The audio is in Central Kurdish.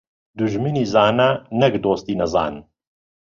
دوژمنی زانا، نەک دۆستی نەزان.